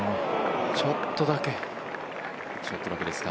ちょっとだけですか。